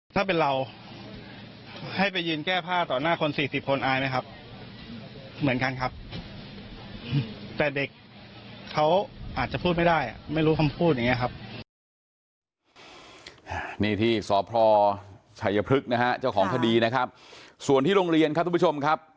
ถ้าเป็นเราให้ไปยืนแก้ผ้าต่อหน้าคนสี่สิบคนอายไหมครับ